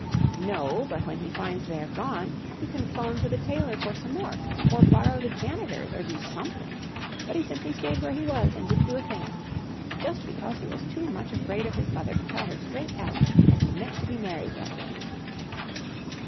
"No. But when he finds they're gone, he can 'phone to the tailor for some more or borrow the janitor's or do something. But he simply stayed where he was and didn't do a thing. Just because he was too much afraid of his mother to tell her straight out that he meant to be married that day."